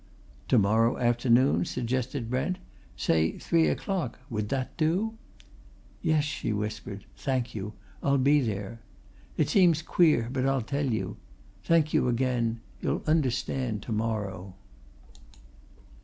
"To morrow afternoon?" suggested Brent. "Say three o'clock? Would that do?" "Yes," she whispered. "Thank you I'll be there. It seems queer, but I'll tell you. Thank you again you'll understand to morrow."